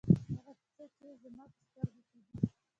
هغه څه چې زما په سترګو کې دي.